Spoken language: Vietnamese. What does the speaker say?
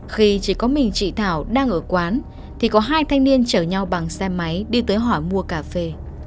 khi chỉ có mình chị thảo đang ở quán thì có hai thanh niên chở nhau bằng xe máy đi tới hỏi mua cà phê